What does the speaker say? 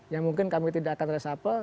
ya mungkin kami tidak akan resapel